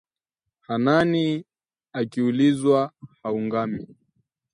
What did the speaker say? Hanani akiulizwa haungami